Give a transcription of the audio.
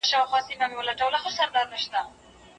د زېړ ګل وچې پاڼې پر ځمکه رژېدلې پرتې وې.